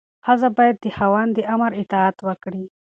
ښځه باید د خاوند د امر اطاعت وکړي.